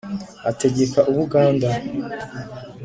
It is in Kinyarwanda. ategeka u buganda;